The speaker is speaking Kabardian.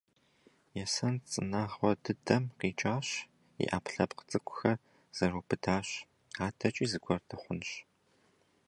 Есэн цӀынэгъуэ дыдэм къикӀащ, и Ӏэпкълъэпкъ цӀыкӀухэр зэрыубыдащ. АдэкӀи зыгуэр дыхъунщ.